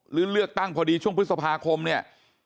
หรือเลือกตั้งพอดีช่วงพฤษภาคมเนี่ย